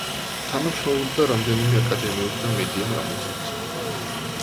თანამშრომლობდა რამდენიმე აკადემიურ და მედია გამოცემასთან.